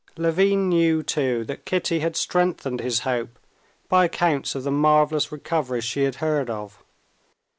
Levin knew too that Kitty had strengthened his hope by accounts of the marvelous recoveries she had heard of.